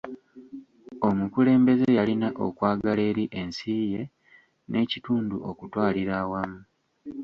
Omukulembeze yalina okwagala eri ensi ye n'ekitundu okutwalira awamu.